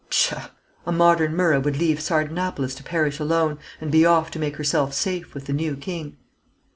Pshaw! a modern Myrrha would leave Sardanapalus to perish alone, and be off to make herself safe with the new king."